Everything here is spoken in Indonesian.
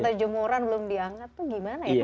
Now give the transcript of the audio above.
kita jemuran belum diangat tuh gimana ya